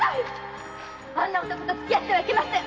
あんな男とは付合ってはいけません！